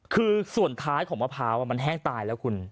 คือส่วนท้ายของมะพร้าวมันแห้งตายแล้วคุณ